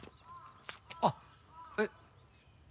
あっえっ？